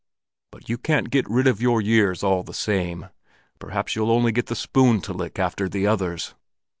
"But you can't get rid of your years, all the same! Perhaps you'll only get the spoon to lick after the others."